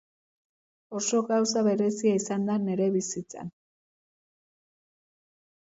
Oso gauza berezia izan da nire bizitzan.